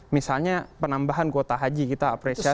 misalnya penambahan kuota haji kita apresiasi